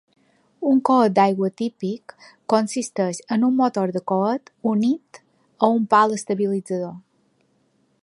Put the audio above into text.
Un coet d'aigua típic consisteix en un motor de coet unit a un pal estabilitzador.